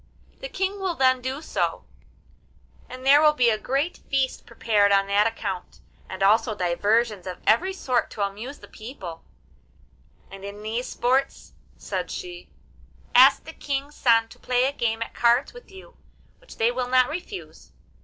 The King will then do so, and there will be a great feast prepared on that account, and also diversions of every sort to amuse the people; and in these sports,' said she, 'ask the King's sons to play a game at cards with you, which they will not refuse.